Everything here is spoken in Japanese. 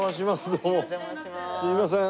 すいません。